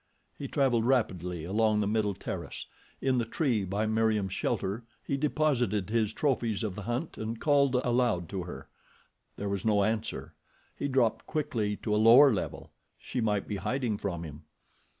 He traveled rapidly along the middle terrace. In the tree by Meriem's shelter he deposited his trophies of the hunt and called aloud to her. There was no answer. He dropped quickly to a lower level. She might be hiding from him.